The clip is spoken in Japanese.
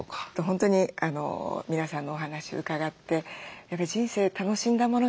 本当に皆さんのお話伺ってやっぱり人生楽しんだもの